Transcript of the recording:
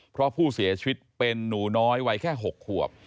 เพราะผู้เสียชีวิตเป็นหนูน้อยวัยแค่๖ขวบ